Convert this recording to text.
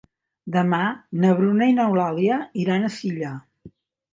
Demà na Bruna i n'Eulàlia iran a Silla.